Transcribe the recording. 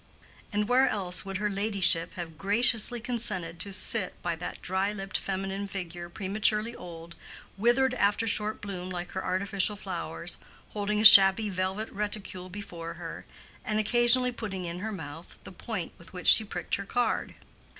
And where else would her ladyship have graciously consented to sit by that dry lipped feminine figure prematurely old, withered after short bloom like her artificial flowers, holding a shabby velvet reticule before her, and occasionally putting in her mouth the point with which she pricked her card?